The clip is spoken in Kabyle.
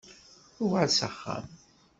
Uɣal s axxam.